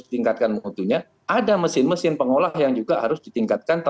ditingkatkan mutunya ada mesin mesin pengolah yang juga harus ditingkatkan